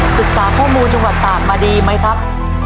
ศึกษาข้อมูลจังหวัดตากมาดีไหมครับ